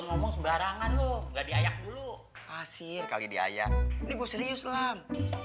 ngomong sebarangan lu nggak diayak dulu pasir kali diayak ini gue serius lam